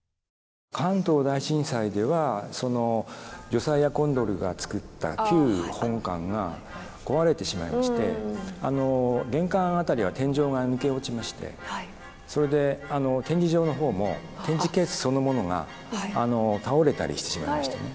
関東大震災ではそのジョサイア・コンドルが作った旧本館が壊れてしまいまして玄関辺りは天井が抜け落ちましてそれで展示場のほうも展示ケースそのものが倒れたりしてしまいましたね。